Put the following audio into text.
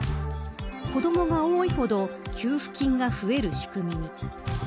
子どもが多いほど給付金が増える仕組みに。